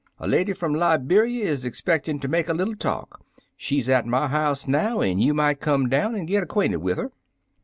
A lady from Liberia is expected to make a little talk. She's at my house now, an' you might come down an' get acquainted with her."